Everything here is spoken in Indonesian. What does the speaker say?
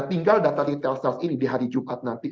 tinggal data retail sales ini di hari jumat nanti